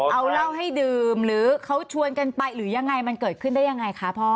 เอาเหล้าให้ดื่มหรือเขาชวนกันไปหรือยังไงมันเกิดขึ้นได้ยังไงคะพ่อ